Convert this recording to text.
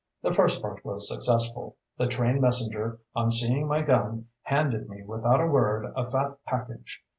The first part was successful. The train messenger, on seeing my gun, handed me, without a word, a fat package.